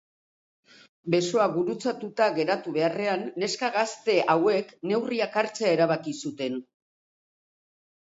Besoak gurutzatuta geratu beharrean, neska gazte hauek neurriak hartzea erabaki zuten.